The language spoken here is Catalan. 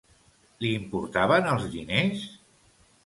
Li importaven els diners?